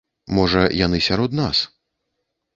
Можа, яны сярод нас.